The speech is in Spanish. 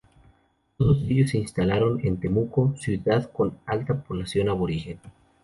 Todos ellos se instalaron en Temuco, ciudad con una alta población aborigen.